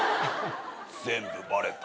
全部バレた。